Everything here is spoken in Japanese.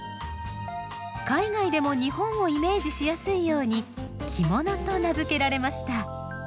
海外でも日本をイメージしやすいように「きもの」と名付けられました。